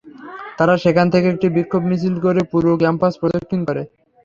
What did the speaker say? তাঁরা সেখান থেকে একটি বিক্ষোভ মিছিল করে পুরো ক্যাম্পাস প্রদক্ষিণ করেন।